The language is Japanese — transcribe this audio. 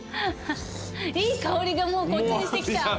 いい香りがもうこっちにしてきた。